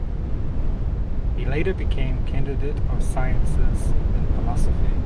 He later became Candidate of Sciences in philosophy.